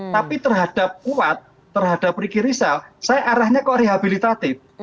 tapi terhadap kuat terhadap ricky rizal saya arahnya ke rehabilitatif